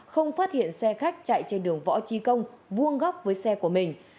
không phát hiện xe khách chạy trên đường võ trí công vuông góc với xe của mình